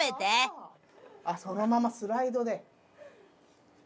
そのままスライドで。